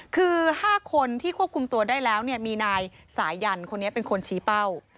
คือ๕คนที่ควบคุมตัวได้แล้วมีนายสายันคนนี้เป็นคนชี้เป้า